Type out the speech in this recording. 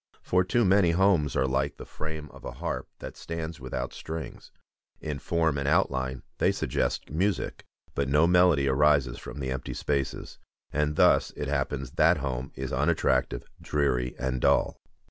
For too many homes are like the frame of a harp that stands without strings. In form and outline they suggest music, but no melody arises from the empty spaces; and thus it happens that home is unattractive, dreary, and dull.